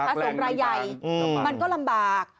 สงฆ์รายใหญ่มันก็ลำบาก